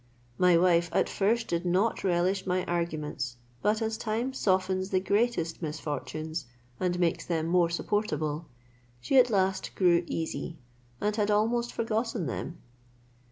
My wife at first did not relish my arguments; but as time softens the greatest misfortunes, and makes them more supportable, she at last grew easy, and had almost forgotten them.